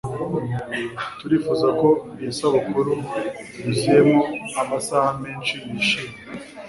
turifuza ko iyi sabukuru yuzuyemo amasaha menshi yishimye